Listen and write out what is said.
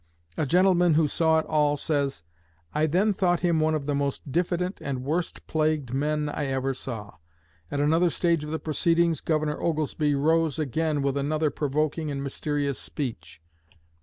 A gentleman who saw it all says, 'I then thought him one of the most diffident and worst plagued men I ever saw.' At another stage of the proceedings, Governor Oglesby rose again with another provoking and mysterious speech.